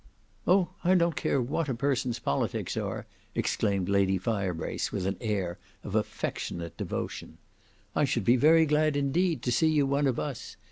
"Oh! I don't care what a person's politics are!" exclaimed Lady Firebrace with an air of affectionate devotion. "I should be very glad indeed to see you one of us.